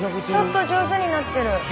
ちょっと上手になってる。